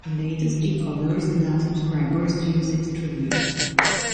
The latest decoders allow subscribers to use XtraView.